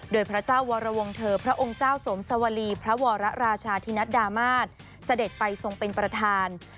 โดยพระเจ้าวรวงเธอพระองค์เจ้าสมสวรีพระวรราชาธินัดดามาศเสด็จไปทรงเป็นประธาน